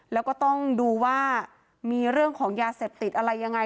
แล้วก็ต้องดูว่ามีเรื่องของยาเสพติดอะไรยังไง